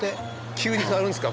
急に変わるんですか？